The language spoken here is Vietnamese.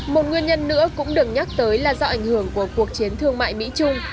một nguyên nhân nữa cũng được nhắc tới là do ảnh hưởng của cuộc chiến thương mại mỹ trung